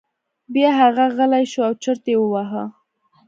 بیا هغه غلی شو او چرت یې وواهه.